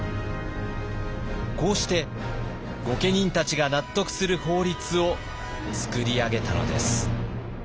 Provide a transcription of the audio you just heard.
こうして御家人たちが納得する法律を作り上げたのです。